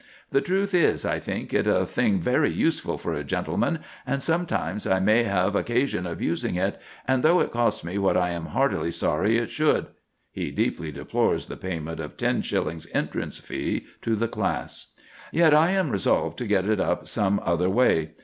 "The truth is, I think it a thing very useful for a gentleman, and sometimes I may have occasion of using it, and though it cost me what I am heartily sorry it should," (he deeply deplores the payment of ten shillings entrance fee to the class,) "yet I am resolved to get it up some other way....